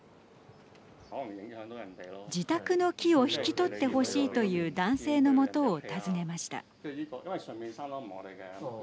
自宅の木を引き取ってほしいという男性のもとを訪ねました。